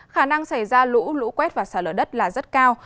khả năng xảy ra lũ lũ quét và xả lở đất là rất cao